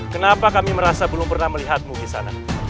kenapa kami merasa belum pernah melihatmu disana